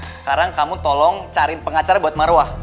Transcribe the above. sekarang kamu tolong cariin pengacara buat marwa